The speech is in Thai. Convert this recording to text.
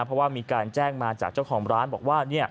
เพราะว่ามีการแจ้งมาจากเจ้าของร้านบอกว่า